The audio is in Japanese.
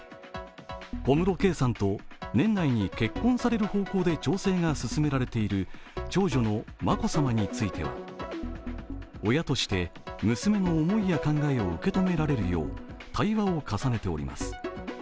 小室圭さんと年内に結婚される方向で調整が進められている長女の眞子さまについては親として娘の思いや考えを受け止められるよう対話を重ねております。